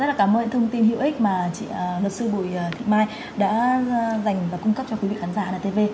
rất là cảm ơn thông tin hữu ích mà chị luật sư bùi thị mai đã dành và cung cấp cho quý vị khán giả tv